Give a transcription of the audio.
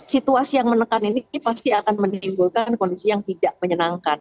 situasi yang menekan ini pasti akan menimbulkan kondisi yang tidak menyenangkan